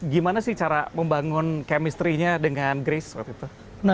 gimana sih cara membangun chemistry nya dengan grace waktu itu